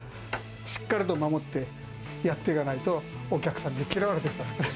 先代から教わったことをしっかりと守って、やってかないと、お客さんに嫌われてしまいます。